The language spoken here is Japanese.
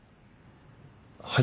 はい。